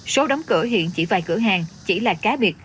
số đóng cửa hiện chỉ vài cửa hàng chỉ là cá biệt